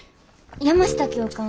山下教官